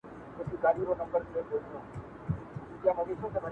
څه ورته ووایم چې څه شولې